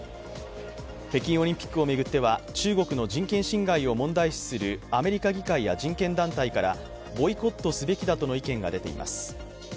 北京オリンピックを巡っては中国の人権侵害を問題視するアメリカ議会や人権団体からボイコットすべきだとの意見が出ています。